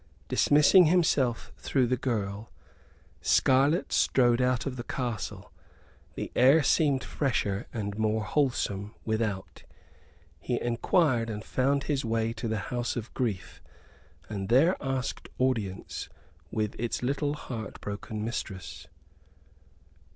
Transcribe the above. Dismissing himself through the girl, Scarlett strode out of the castle. The air seemed fresher and more wholesome without. He enquired and found his way to the house of grief, and there asked audience with its little heart broken mistress.